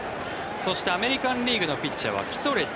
そしてアメリカン・リーグのピッチャーはキトレッジ。